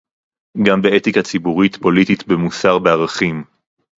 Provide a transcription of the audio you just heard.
גם באתיקה ציבורית, פוליטית, במוסר, בערכים